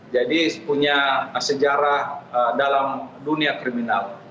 jadi punya sejarah dalam dunia kriminal